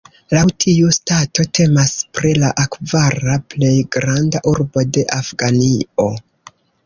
Laŭ tiu stato temas pri la kvara plej granda urbo de Afganio.